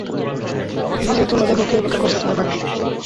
নিজেই তোলো, দেখো, কী অপেক্ষা করছে তোমার ভাগ্যে।